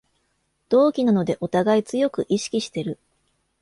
同期なのでおたがい強く意識してる